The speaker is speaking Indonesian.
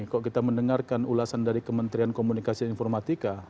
kalau kita mendengarkan ulasan dari kementerian komunikasi dan informatika